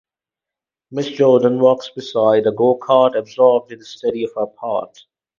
Mrs. Jordan walks beside a go-cart, absorbed in the study of her part.